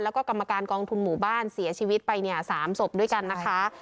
แล้วก็กรรมการกองทุนหมู่บ้านเสียชีวิตไปเนี่ย๓ศพด้วยกันนะคะ